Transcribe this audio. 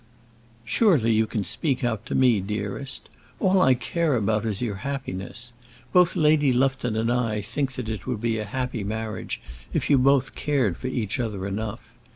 "Surely you can speak out to me, dearest! All I care about is your happiness. Both Lady Lufton and I think that it would be a happy marriage if you both cared for each other enough.